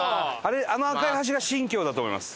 あの赤い橋が神橋だと思います。